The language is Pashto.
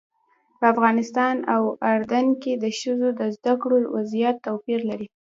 په افغانستان او اردن کې د ښځو د زده کړې وضعیت توپیر لري.